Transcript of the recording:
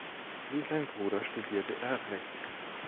Wie sein Bruder studierte er Recht.